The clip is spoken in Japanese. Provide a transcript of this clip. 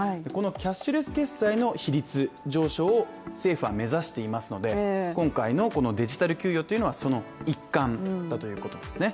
キャッシュレス決済の比率上昇を政府は目指していますので、今回のデジタル給与というのはその一環ということですね。